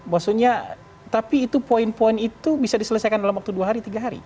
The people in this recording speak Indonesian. maksudnya tapi itu poin poin itu bisa diselesaikan dalam waktu dua hari tiga hari